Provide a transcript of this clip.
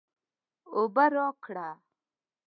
اوبه راکړه